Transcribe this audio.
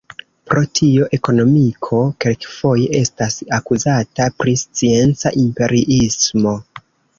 Pro tio ekonomiko kelkfoje estas akuzata pri scienca imperiismo.